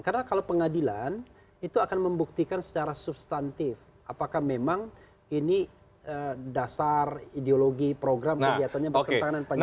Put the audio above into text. karena kalau pengadilan itu akan membuktikan secara substantif apakah memang ini dasar ideologi program kegiatannya bertentangan dengan pancasila